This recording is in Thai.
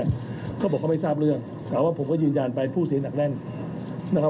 เขาบอกเขาไม่ทราบเรื่องแต่ว่าผมก็ยืนยันไปผู้เสียหนักแน่นนะครับ